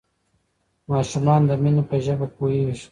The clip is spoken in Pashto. ماشومان د مینې په ژبه پوهیږي.